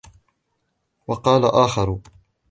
وَقَالَ آخَرُ